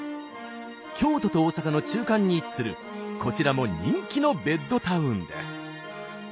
京都と大阪の中間に位置するこちらも人気のベッドタウンです。